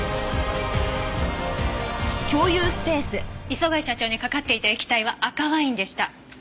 磯貝社長にかかっていた液体は赤ワインでした。